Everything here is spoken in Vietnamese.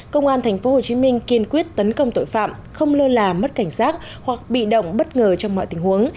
công an tp hcm kiên quyết tấn công tội phạm không lơ là mất cảnh giác hoặc bị động bất ngờ trong mọi tình huống